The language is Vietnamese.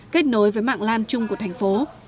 kết nối với mạng lan chung của thành phố